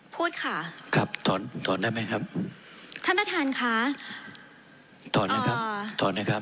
พูดค่ะครับถอนถอนได้ไหมครับท่านประธานค่ะถอนนะครับถอนนะครับ